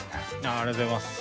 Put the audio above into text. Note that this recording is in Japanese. ありがとうございます。